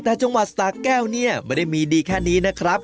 แต่จังหวัดสาแก้วเนี่ยไม่ได้มีดีแค่นี้นะครับ